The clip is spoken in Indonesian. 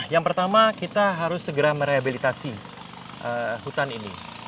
yang pertama kita harus segera merehabilitasi hutan ini